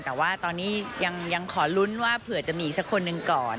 แต่ว่าตอนนี้ยังขอลุ้นว่าเผื่อจะมีอีกสักคนหนึ่งก่อน